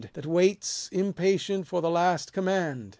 That waits impatient for the last command.